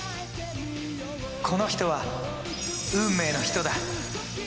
この人は運命の人だ。